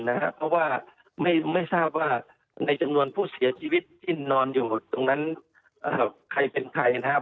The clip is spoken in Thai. เพราะว่าไม่ทราบว่าในจำนวนผู้เสียชีวิตที่นอนอยู่ตรงนั้นใครเป็นใครนะครับ